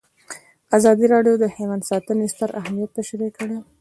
ازادي راډیو د حیوان ساتنه ستر اهميت تشریح کړی.